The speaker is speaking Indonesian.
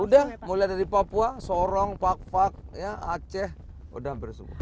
udah mulai dari papua sorong pak pak ya aceh udah hampir semua